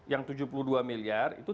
yang tujuh puluh dua miliar itu